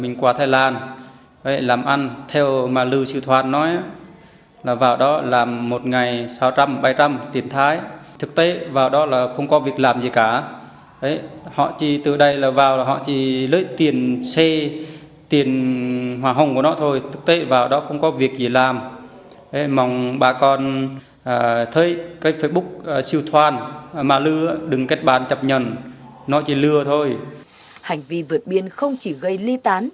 hành vi vượt biên không chỉ gây ly tán